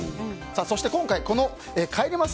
そして今回帰ります